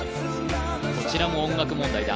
こちらも音楽問題だ